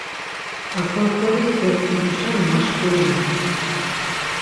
Asansoris doskiduşen maşkurinen.